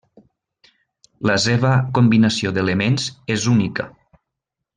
La seva combinació d'elements és única.